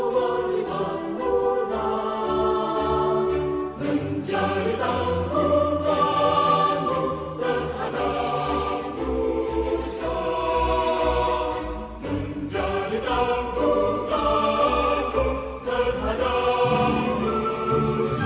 selanjutnya kepada para menteri kabinet indonesia maju